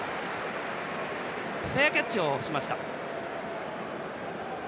フェアキャッチをしました。